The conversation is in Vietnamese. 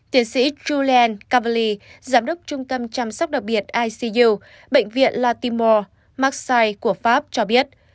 tiến sĩ julian cavalli giám đốc trung tâm chăm sóc đặc biệt icu bệnh viện latimore marseille của pháp cho biết